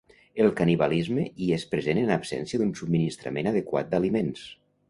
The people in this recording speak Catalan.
El canibalisme hi és present en absència d'un subministrament adequat d'aliments.